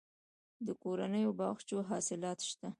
د کورنیو باغچو حاصلات شته